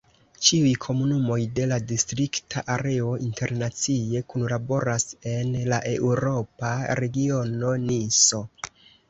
Ĉiuj komunumoj de la distrikta areo internacie kunlaboras en la eŭropa regiono Niso.